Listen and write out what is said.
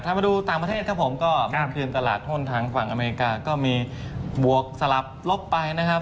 ถ้ามาดูต่างประเทศครับผมก็เมื่อคืนตลาดหุ้นทางฝั่งอเมริกาก็มีบวกสลับลบไปนะครับ